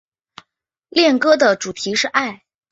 恋歌的主题是爱。